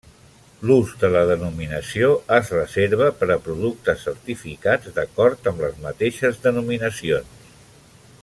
L'ús de la denominació es reserva per a productes certificats d'acord amb les mateixes denominacions.